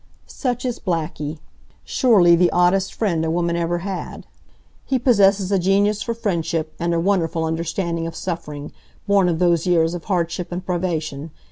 Such is Blackie. Surely the oddest friend a woman ever had. He possesses a genius for friendship, and a wonderful understanding of suffering, born of those years of hardship and privation.